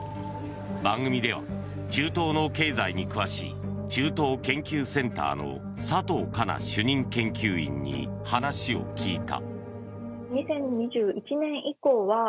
番組では、中東の経済に詳しい中東研究センターの佐藤佳奈主任研究員に話を聞いた。